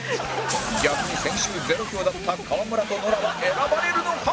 逆に先週ゼロ票だった川村とノラは選ばれるのか？